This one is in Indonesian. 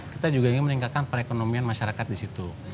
kita juga ingin meningkatkan perekonomian masyarakat di situ